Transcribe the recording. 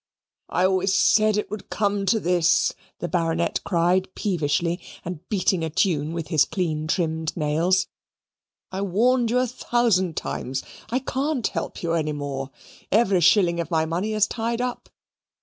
"I always said it would come to this," the Baronet cried peevishly, and beating a tune with his clean trimmed nails. "I warned you a thousand times. I can't help you any more. Every shilling of my money is tied up.